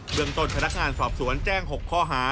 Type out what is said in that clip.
เมืองต้นพนักงานสอบสวนแจ้ง๖ข้อหา